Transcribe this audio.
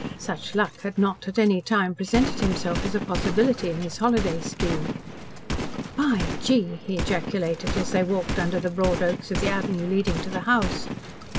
Such luck had not, at any time, presented itself to him as a possibility in his holiday scheme. "By gee," he ejaculated, as they walked under the broad oaks of the avenue leading to the house.